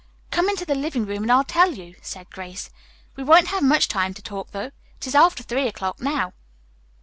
"Come into the living room and I'll tell you," said Grace. "We won't have much time to talk, though. It is after three o'clock now."